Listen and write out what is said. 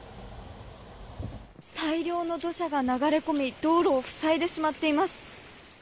大量の土砂が流れ込み、道路を塞いでしまっています。